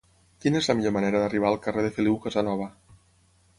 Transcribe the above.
Quina és la millor manera d'arribar al carrer de Feliu Casanova?